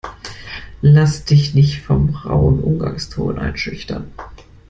Lass dich nicht vom rauen Umgangston einschüchtern!